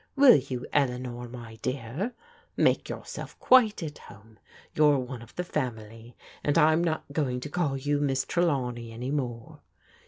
Will you, Eleanor, my dear? Make yourself quite at home; you're one of the family, and I'm not going to call you Miss Trelawney any more.